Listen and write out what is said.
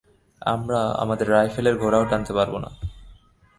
আমরা আমাদের রাইফেলের ঘোড়াও টানতে পারবো না।